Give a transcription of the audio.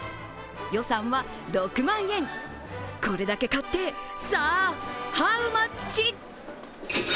予算は６万円、これだけ買って、さあハウマッチ？